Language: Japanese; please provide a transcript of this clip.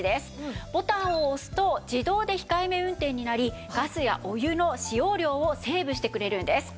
ボタンを押すと自動でひかえめ運転になりガスやお湯の使用量をセーブしてくれるんです。